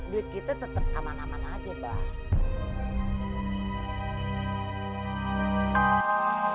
duit kita tetep aman aman aja mbah